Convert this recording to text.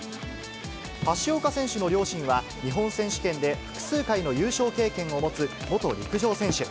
橋岡選手の両親は、日本選手権で複数回の優勝経験を持つ元陸上選手。